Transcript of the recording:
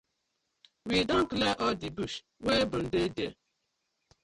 We don clear all di bush wey been dey dere.